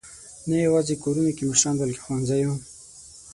نه یواځې کورونو کې مشران، بلکې ښوونځیو.